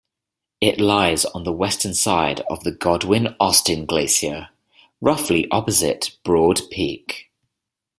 It lies on the western side of the Godwin-Austen Glacier, roughly opposite Broad Peak.